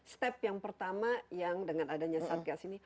step yang pertama yang dengan adanya satgas ini